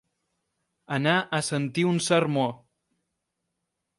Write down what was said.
Anar a sentir un sermó.